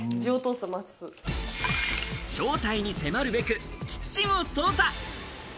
正体に迫るべく、キッチンを捜査。